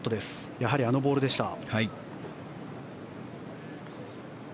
やはりあのボールでした。